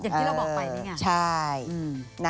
อย่างที่เราบอกไปนี่ไง